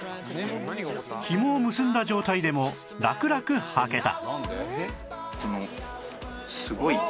ひもを結んだ状態でもラクラク履けた